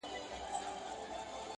باران دي وي سیلۍ دي نه وي؛